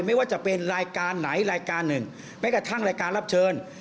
ไม่ว่าจะเป็นรายการไหนรายการหนึ่งแม้กระทั่งรายการรับเชิญ